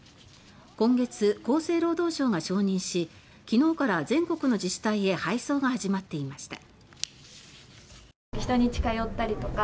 今月、厚生労働省が承認し昨日から全国の自治体へ配送が始まっていました。